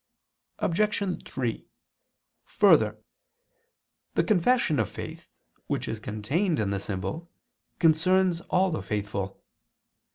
Obj. 3: Further, the confession of faith, which is contained in the symbol, concerns all the faithful.